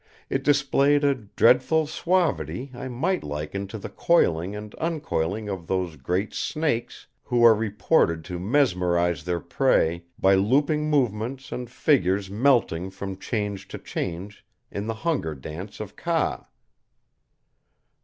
It displayed a dreadful suavity I might liken to the coiling and uncoiling of those great snakes who are reported to mesmerize their prey by looping movements and figures melting from change to change in the Hunger Dance of Kaa.